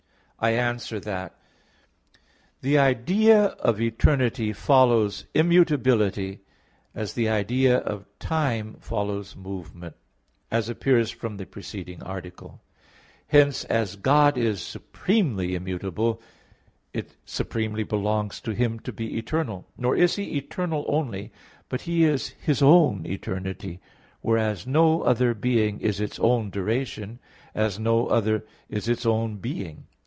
I answer that, The idea of eternity follows immutability, as the idea of time follows movement, as appears from the preceding article. Hence, as God is supremely immutable, it supremely belongs to Him to be eternal. Nor is He eternal only; but He is His own eternity; whereas, no other being is its own duration, as no other is its own being.